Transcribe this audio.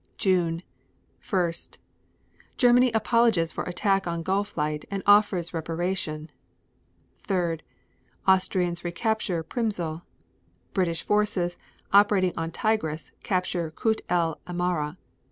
June 1. Germany apologizes for attack on Gulflight and offers reparation. 3. Austrians recapture Przmysl. 3. British forces operating on Tigris capture Kut el Amara.